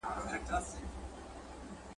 خلک به ئې زیارت ته ورتلل.